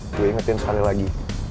gue ingetin sekali lagi